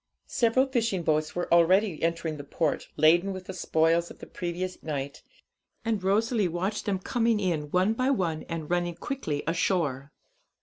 Several fishing boats were already entering the port, laden with the spoils of the previous night, and Rosalie watched them coming in one by one and running quickly ashore.